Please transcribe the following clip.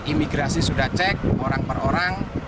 imigrasi sudah cek orang per orang